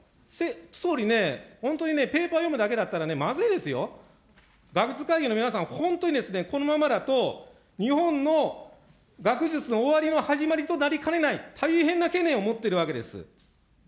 総理ね、本当にね、ペーパーを読むだけだったら、学術会議の皆さん、本当にですね、このままだと日本の学術の終わりの始まりとなりかねない、大変な懸念を持ってるわけです。